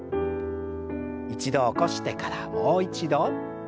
一度起こしてからもう一度。